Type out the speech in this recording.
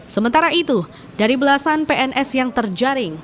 sementara itu dari belasan pns yang terjaring